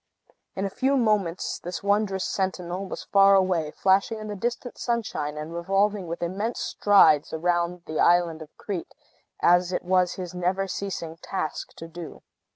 In a few moments, this wondrous sentinel was far away, flashing in the distant sunshine, and revolving with immense strides round the island of Crete, as it was his never ceasing task to do.